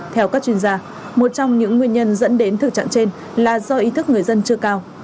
theo các chuyên gia một trong những nguyên nhân dẫn đến thực trạng trên là do ý thức người dân chưa cao